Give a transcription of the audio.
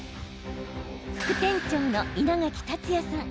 副店長の稲垣竜弥さん。